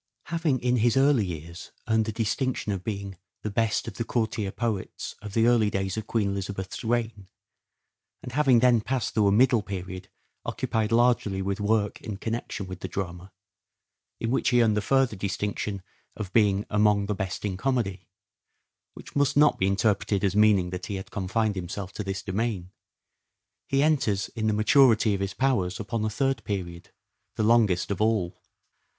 Having in his early years earned the distinction of being " the best of the courtier poets of the early days of Queen Elizabeth's reign," and having then passed through a middle period occupied largely with work in connection with the drama, in which he earned the further distinction of being "among the best in comedy" — which must not be interpreted as meaning that he had confined himself to this domain — he enters in the maturity of his powers upon a third period, the longest of all.